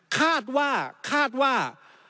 คาดว่าคาดว่า